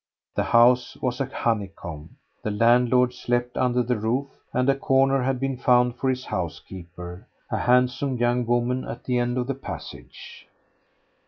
The house was a honeycomb. The landlord slept under the roof, and a corner had been found for his housekeeper, a handsome young woman, at the end of the passage.